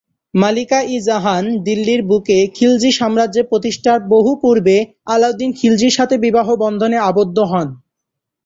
মালিকা-ই-জাহান দিল্লির বুকে খিলজি সাম্রাজ্য প্রতিষ্ঠার বহু পূর্বে আলাউদ্দিন খিলজির সাথে বিবাহ বন্ধনে আবদ্ধ হন।